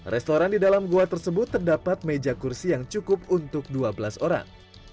restoran di dalam gua tersebut terdapat meja kursi yang cukup untuk dua belas orang